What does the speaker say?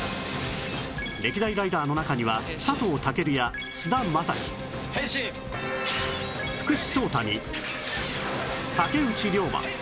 歴代ライダーの中には佐藤健や菅田将暉福士蒼汰に竹内涼真